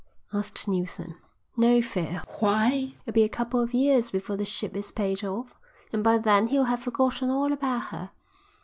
asked Neilson. "No fear. Why, it'll be a couple of years before the ship is paid off, and by then he'll have forgotten all about her.